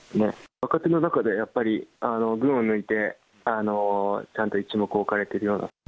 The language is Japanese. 若手の中でやっぱり、群を抜いてちゃんと一目置かれているような。